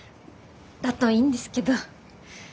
だといいんですけど。